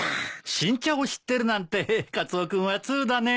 新茶を知ってるなんてカツオ君は通だね。